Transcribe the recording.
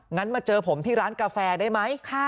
งั้นมาเจอผมที่ร้านกาแฟได้ไหม